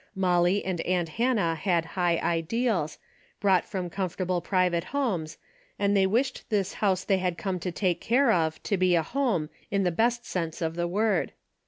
Molly and aunt Hannah had high ideals, brought from comfortable private homes, and they wished this house they had come to take care of to be a home in the best sense of the word.